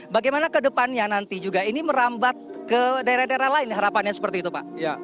bagaimana ke depannya nanti juga ini merambat ke daerah daerah lain harapannya seperti itu pak